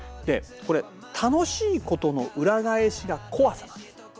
これ楽しいことの裏返しが怖さなんです。